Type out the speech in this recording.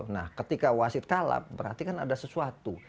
nah ketika wasit kalap berarti kan ada sesuatu